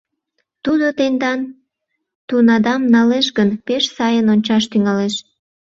Тудо тендан тунадам налеш гын, пеш сайын ончаш тӱҥалеш.